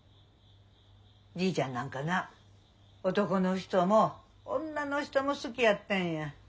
じいちゃんなんかな男の人も女の人も好きやったんや。